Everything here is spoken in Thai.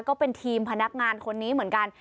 ก็เป็นทีมพนักงานคนนี้เหมือนกัน